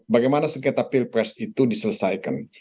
bagaimana sengketa pilpres itu diselesaikan